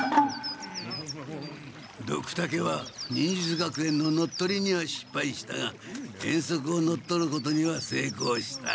ドクタケは忍術学園の乗っ取りにはしっぱいしたが遠足を乗っ取ることにはせいこうした！